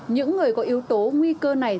những người có yếu tố nguy cơ này